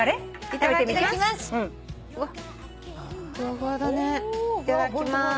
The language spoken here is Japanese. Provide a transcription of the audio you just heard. いただきます。